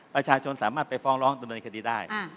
ประชาชนสามารถไปฟ้องร้องดำเนินคดีได้